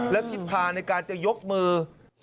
และทิศทางในการจะยกมือ